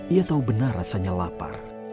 ia tahu benar rasanya lapar